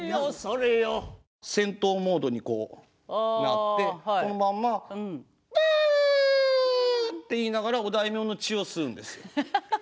戦闘モードになってこのまんま「ぶん」って言いながらお大名の血を吸うんですよ。